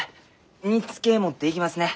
煮つけ持っていきますね。